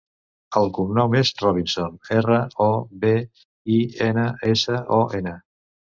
El cognom és Robinson: erra, o, be, i, ena, essa, o, ena.